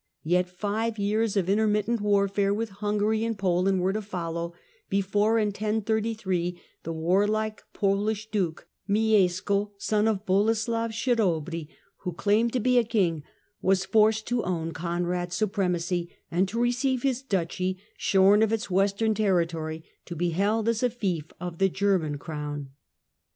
Yet five years of intermittent warfare with Hungary and Poland were to follow before, in 1033, the warlike Polish duke, Miesco, son of Boleslav Chabry, who claimed to be a king, was forced to own Conrad's supremacy, and to receive his duchy, shorn of its western territory, to be held as a fief of the German crown.